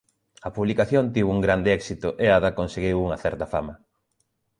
A publicación tivo un grande éxito e Ada conseguiu unha certa fama.